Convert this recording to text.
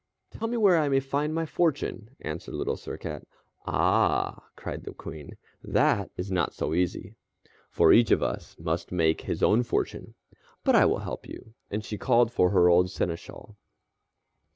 "Tell me where I may find my fortune," answered Little Sir Cat. "Ah!" cried the Queen, "that is not so easy. For each of us must make his own fortune. But I will help you," and she called for her old seneschal.